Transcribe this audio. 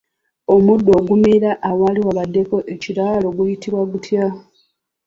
Omuddo ogumera awaali wabaddeko ekiraalo guyitibwa gutya ?